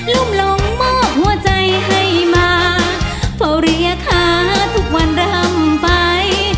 ลุ่มลงมอบหัวใจให้มาเฝ้าเรียกขาทุกวันร่ำไป